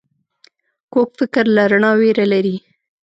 کوږ فکر له رڼا ویره لري